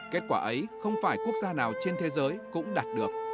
kết quả ấy không phải quốc gia nào trên thế giới cũng đạt được